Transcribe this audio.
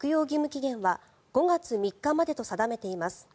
期限は５月３日までと定めています。